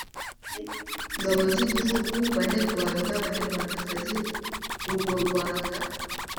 ngabo z'igihugu, banyarwanda, banyarwandakazi. urwo rwanda